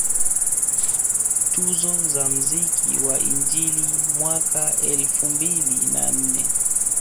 Tuzo za mziki wa injili mwaka elfu mbili na nne